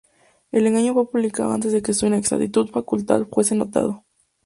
El engaño fue publicado antes de que su inexactitud factual fuese notado.